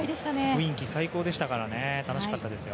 雰囲気が最高でしたから楽しかったですね。